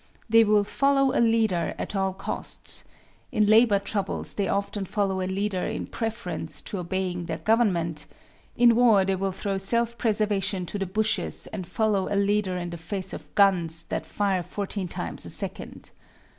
They will follow a leader at all costs in labor troubles they often follow a leader in preference to obeying their government, in war they will throw self preservation to the bushes and follow a leader in the face of guns that fire fourteen times a second.